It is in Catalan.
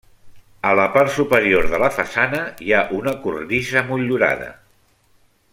A la part superior de la façana hi ha una cornisa motllurada.